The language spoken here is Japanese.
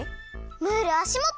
ムールあしもと！